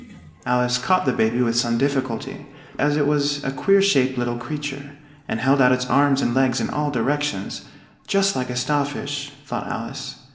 Alice caught the baby with some difficulty, as it was a queer shaped little creature, and held out its arms and legs in all directions, "just like a star fish," thought Alice.